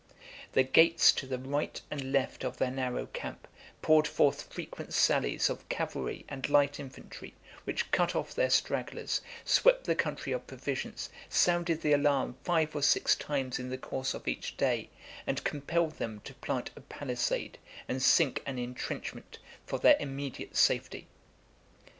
The gates to the right and left of their narrow camp poured forth frequent sallies of cavalry and light infantry, which cut off their stragglers, swept the country of provisions, sounded the alarm five or six times in the course of each day, and compelled them to plant a palisade, and sink an intrenchment, for their immediate safety.